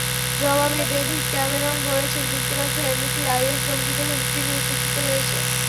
জবাবে David Cameron বলেছেন, যুক্তরাজ্য এমনিতেই আইএস জঙ্গিদের হুমকির ঝুঁকিতে রয়েছে।